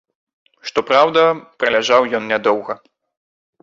Што праўда, праляжаў ён нядоўга.